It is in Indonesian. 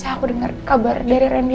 aku dengar kabar dari randy